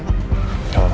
kau sepi ya